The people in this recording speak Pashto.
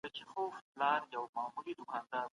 هغه څوک چي مرسته کوي، قدر کېږي.